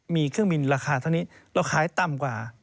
มีเครื่องบินราคาเท่านี้เราขายต่ำกว่า